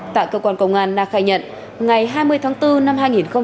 tại cơ quan công an na khai nhận ngày hai mươi tháng bốn năm hai nghìn hai mươi